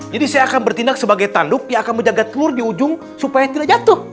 jadi saya akan bertindak sebagai tanduk yang akan menjaga telur di ujung supaya tidak jatuh